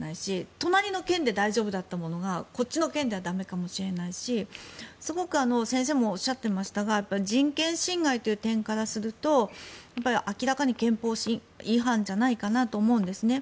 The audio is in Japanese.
隣の県で大丈夫だったものがこっちの県では駄目かもしれないしすごく先生もおっしゃっていましたが人権侵害という点からすると明らかに憲法違反じゃないかなと思うんですね。